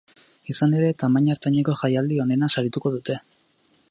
Izan ere, tamaina ertaineko jaialdi onena sarituko dute.